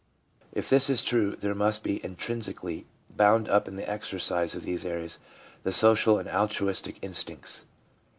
If this is true, there must be intrinsically bound up in the exercise of these areas the social and altruistic instincts.